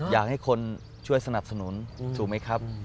อยากให้คนช่วยสนับสนุนถูกไหมครับ